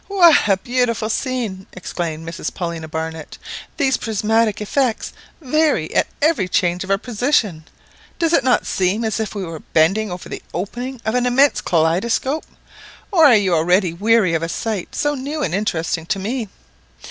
"What a beautiful scene!" exclaimed Mrs Paulina Barnett. "These prismatic effects vary at every change of our position. Does it not seem as if we were bending over the opening of an immense kaleidoscope, or are you already weary of a sight so new and interesting to me?"